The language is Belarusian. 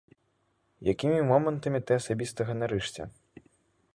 Якімі момантамі ты асабіста ганарышся?